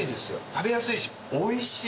食べやすいしおいしい。